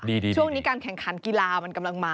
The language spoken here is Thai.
ช่วงนี้การแข่งขันกีฬามันกำลังมา